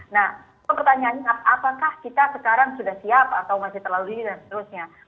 nah itu pertanyaannya apakah kita sekarang sudah siap atau masih terlalu dini dan seterusnya